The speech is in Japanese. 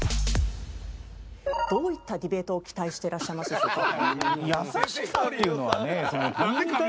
どういったディベートを期待していらっしゃいますでしょうか？